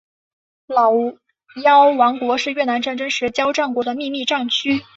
老挝王国是越南战争时交战国的秘密战区。